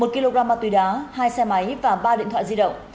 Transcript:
một kg ma túy đá hai xe máy và ba điện thoại di động